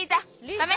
ダメ！